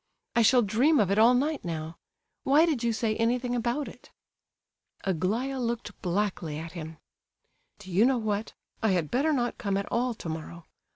I shall dream of it all night now. Why did you say anything about it?" Aglaya looked blackly at him. "Do you know what, I had better not come at all tomorrow!